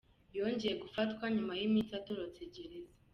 yongeye gufatwa nyuma y’iminsi atorotse gereza.